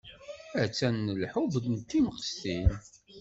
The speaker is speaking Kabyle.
Aṭṭan n lḥubb d timqestin.